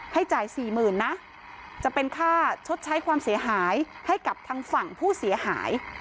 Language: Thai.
จ่ายสี่หมื่นนะจะเป็นค่าชดใช้ความเสียหายให้กับทางฝั่งผู้เสียหาย